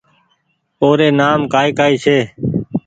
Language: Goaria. اوري نآم ڪآئي ڪآئي ڇي